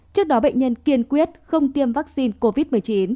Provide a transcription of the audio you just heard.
trước đó bệnh nhân kiên quyết không tiêm vaccine covid một mươi chín